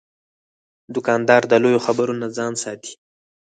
دوکاندار د لویو خبرو نه ځان ساتي.